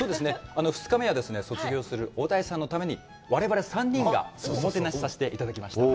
２日目は卒業する小田井さんのために我々３人がおもてなしさせていただきました。